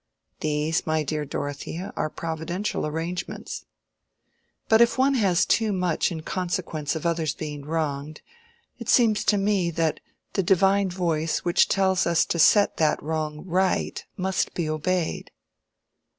"These, my dear Dorothea, are providential arrangements." "But if one has too much in consequence of others being wronged, it seems to me that the divine voice which tells us to set that wrong right must be obeyed."